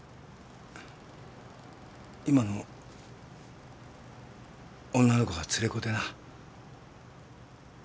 今の女の子は連れ子でな。